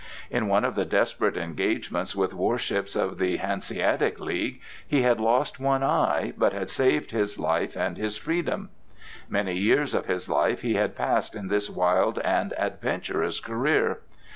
In one of the desperate engagements with warships of the Hanseatic League he had lost one eye, but had saved his life and his freedom. Many years of his life he had passed in this wild and adventurous career.